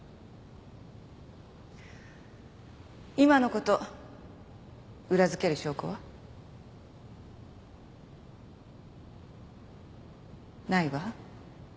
今の事裏づける証拠は？ないわ。